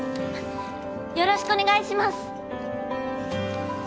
よろしくお願いします